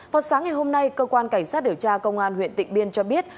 vào sáng ngày hôm nay cơ quan cảnh sát điều tra công an huyện tịnh biên cho biết